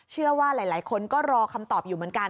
เชื่อว่าหลายคนก็รอคำตอบอยู่เหมือนกัน